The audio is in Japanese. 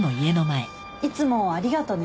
いつもありがとね。